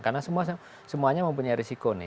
karena semuanya mempunyai risiko